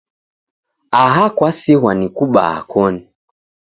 Aha kwasighwa ni kubaa koni.